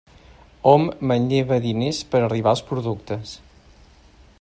Hom manlleva diners per arribar als productes.